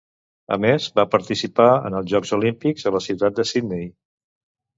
A més, va participar en el jocs olímpics a la ciutat de Sydney.